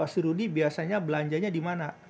si rudy biasanya belanjanya dimana